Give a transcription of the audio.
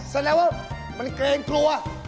แสดงว่ามันเกินกลัว